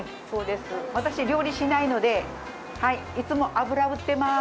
私、料理しないので、いつも油、売ってます。